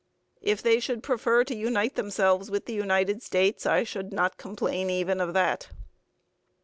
It they should prefer to unite themselves with the United States, I should not complain even of that.'